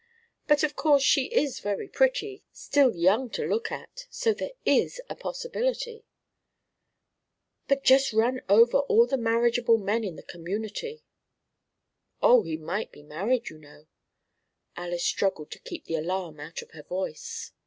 But of course she is very pretty, still young to look at, so there is the possibility " "But just run over all the marriageable men in the community " "Oh, he might be married, you know." Alys struggled to keep the alarm out of her voice.